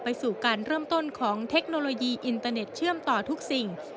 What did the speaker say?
สู่การเริ่มต้นของเทคโนโลยีอินเตอร์เน็ตเชื่อมต่อทุกสิ่ง